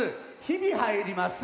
日々はいります